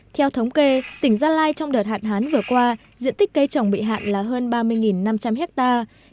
theo thống kê tỉnh gia lai trong đợt hạn hán vừa qua diện tích cây trồng bị hạn là hơn ba mươi năm trăm linh hectare